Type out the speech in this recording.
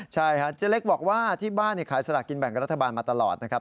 ใช่ครับเจ๊เล็กบอกว่าที่บ้านขายสลากกินแบ่งรัฐบาลมาตลอดนะครับ